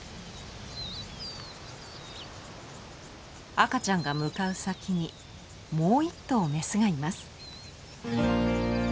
赤ちゃんが向かう先にもう１頭メスがいます。